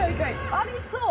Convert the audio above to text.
ありそう。